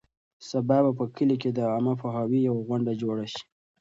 سبا به په کلي کې د عامه پوهاوي یوه غونډه جوړه شي.